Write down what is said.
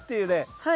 はい。